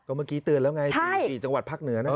เมื่อกี้เตือนแล้วไง๔จังหวัดภาคเหนือนะ